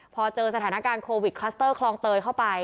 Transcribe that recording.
พอเจอสถานการณ์โควิดคลัสเตอร์คลองเตยเข้าไป